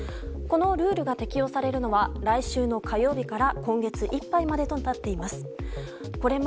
このルールが適用されるのは来週の火曜日から今月いっぱいまでとなっています。